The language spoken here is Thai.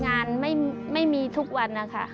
งานไม่มีทุกวันนะคะ